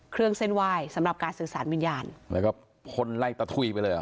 เครื่องเส้นไหว้สำหรับการสื่อสารวิญญาณแล้วก็พ่นไล่ตะทุยไปเลยเหรอ